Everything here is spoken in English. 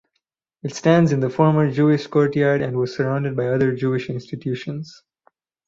It stands in the former Jewish courtyard and was surrounded by other Jewish institutions.